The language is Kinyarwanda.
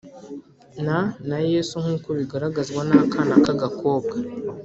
na na Yesu nk uko bigaragazwa n akana k agakobwa